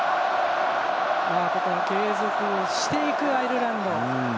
継続していくアイルランド。